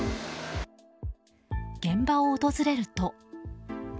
現場を訪れると。